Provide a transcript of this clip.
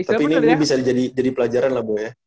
tapi ini bisa jadi pelajaran lah bu ya